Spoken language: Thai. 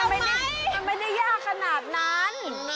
มันไม่ได้ยากขนาดนั้น